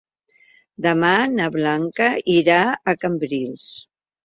Demà na Blanca irà a Cambrils.